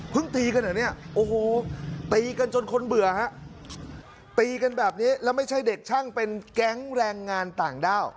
ตีกันเหรอเนี่ยโอ้โหตีกันจนคนเบื่อฮะตีกันแบบนี้แล้วไม่ใช่เด็กช่างเป็นแก๊งแรงงานต่างด้าว